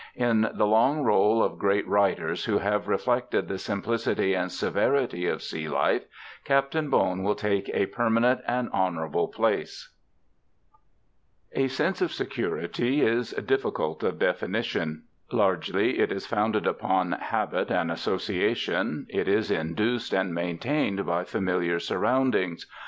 In the long roll of great writers who have reflected the simplicity and severity of sea life, Captain Bone will take a permanent and honorable place. A sense of security is difficult of definition. Largely, it is founded upon habit and association. It is induced and maintained by familiar surroundings.